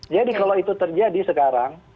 jadi kalau itu terjadi sekarang